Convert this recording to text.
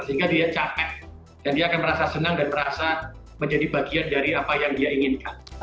sehingga dia capek dan dia akan merasa senang dan merasa menjadi bagian dari apa yang dia inginkan